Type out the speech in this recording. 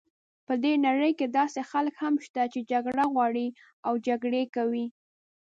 په دې نړۍ کې داسې خلک هم شته چې جګړه غواړي او جګړې کوي.